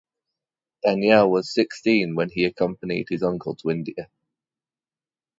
Daniell was sixteen when he accompanied his uncle to India.